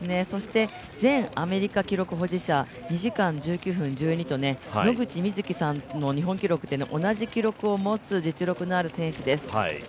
前アメリカ記録保持者、２時間１９分１２と野口みずきさんと同じ日本記録と実力のある選手です。